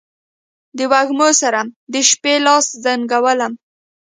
د وږمو سره، د شپې لاس زنګولم